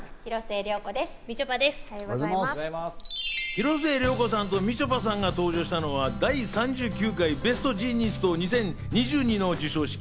広末涼子さんとみちょぱさんが登場したのは、第３９回ベストジーニスト２０２２の授賞式。